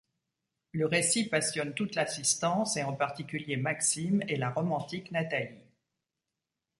Le récit passionne toute l’assistance et en particulier Maxime et la romantique Nathalie.